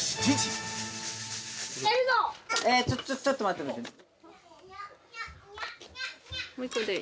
ちょっと待って。